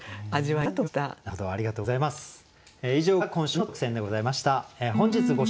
ありがとうございます。